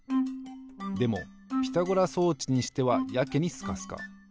でもピタゴラ装置にしてはやけにスカスカ。